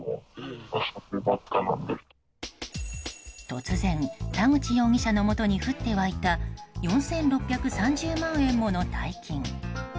突然、田口容疑者のもとに降って湧いた４６３０万円もの大金。